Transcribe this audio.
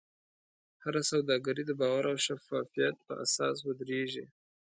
هره سوداګري د باور او شفافیت په اساس ودریږي.